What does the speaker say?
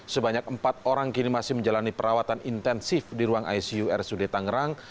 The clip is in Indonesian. sebanyak empat orang kini masih menjalani perawatan intensif di ruang icu rsud tangerang